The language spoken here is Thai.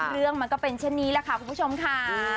เรื่องมันก็เป็นเช่นนี้แหละค่ะคุณผู้ชมค่ะ